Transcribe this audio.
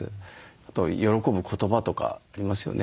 あと喜ぶ言葉とかありますよね。